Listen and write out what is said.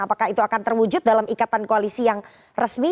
apakah itu akan terwujud dalam ikatan koalisi yang resmi